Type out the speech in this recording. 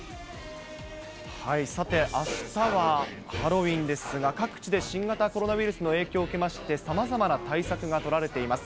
さてあしたはハロウィーンですが、各地で新型コロナウイルスの影響を受けまして、さまざまな対策が取られています。